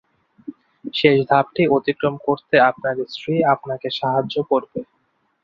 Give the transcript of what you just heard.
শেষ ধাপটি অতিক্রম করতে আপনার স্ত্রী আপনাকে সাহায্য করবে।